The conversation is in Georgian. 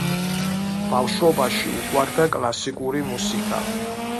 ბავშვობაში უყვარდა კლასიკური მუსიკა.